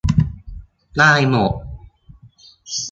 ได้หมด